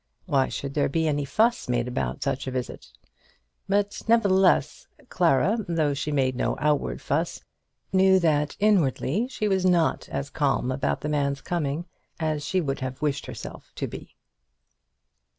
Why should there be any fuss made about such a visit? But, nevertheless, Clara, though she made no outward fuss, knew that inwardly she was not as calm about the man's coming as she would have wished herself to be.